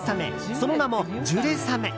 その名も、ジュレさめ。